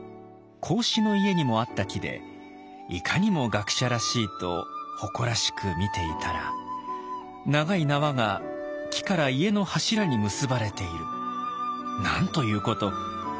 孔子の家にもあった木でいかにも学者らしいと誇らしく見ていたら長い縄が木から家の柱に結ばれているなんということ！